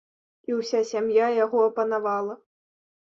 І ўся сям'я яго апанавала.